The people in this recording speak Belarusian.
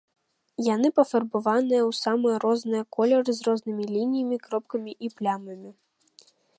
Яны пафарбаваны ў самыя розныя колеры з рознымі лініямі, кропкамі і плямамі.